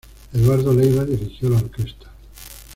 Eduardo Leiva dirigió la orquesta.